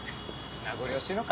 名残惜しいのか？